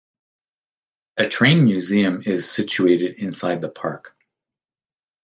A train museum is situated inside the park.